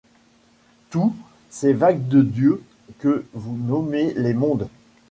Tout, ces vagues de Dieu que vous nommez les mondes